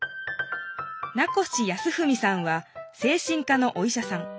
名越康文さんは精神科のお医者さん。